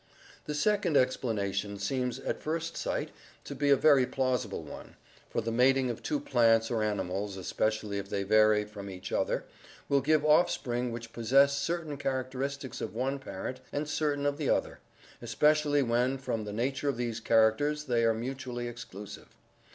The second explanation seems at first sight to be a very plausible one, for the mating of two plants or animals, especially if they vary from each other, will give offspring which possess certain characters of one parent and certain of the other, especially when from the nature of these characters they are mutually exclusive.